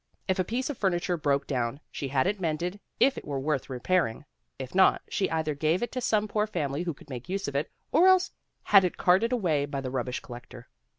If a piece of furniture broke down, she had it mended if it were worth re pairing; if not, she either gave it to some poor family who could make use of it, or else had it carted away by the rubbish collector.